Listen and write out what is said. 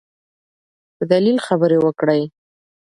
په دلیل خبرې وکړئ.